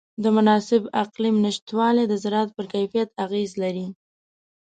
د مناسب اقلیم نهشتوالی د زراعت پر کیفیت اغېز لري.